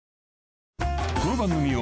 ［この番組を］